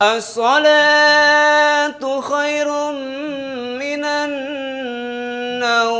assalatu khairun minannaw